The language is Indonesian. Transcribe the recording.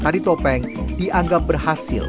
tarian topeng dianggap berhasil